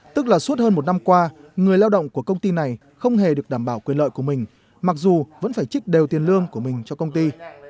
tức là suốt hơn một năm qua người lao động của công ty này không hề được đảm bảo quyền lợi của mình mặc dù vẫn phải trích đều tiền lương của mình cho công ty